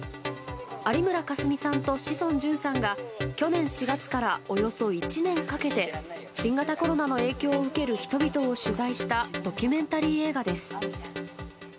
有村架純さんと志尊淳さんが去年４月から、およそ１年かけて新型コロナの影響を受ける人々を取材したドキュメンタリー映画です。